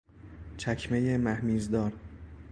چکمهی مهمیزدار